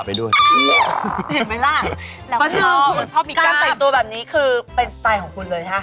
แล้วก็จริงกันคือคุณชอบมีกล้าบ่อเออการแต่งตัวแบบนี้คือเป็นสไตล์ของคุณเลยค่ะ